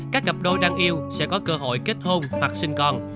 các cặp đôi đang yêu sẽ có cơ hội kết hôn hoặc sinh con